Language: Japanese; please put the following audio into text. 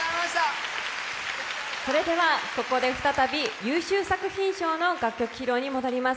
ここで再び優秀作品賞の楽曲披露に戻ります。